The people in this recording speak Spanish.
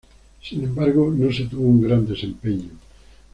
Sin embargo no se tuvo un gran desempeño.